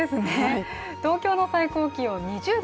東京の最高気温は２０度